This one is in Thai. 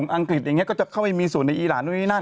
อังกฤษอย่างนี้ก็จะเข้าไปมีส่วนในอีหลานนู่นนี่นั่น